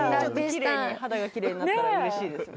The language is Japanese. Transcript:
肌が奇麗になったらうれしいですよ。